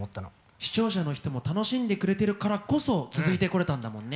視聴者の人も楽しんでくれてるからこそ続いてこれたんだもんね。